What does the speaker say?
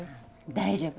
大丈夫。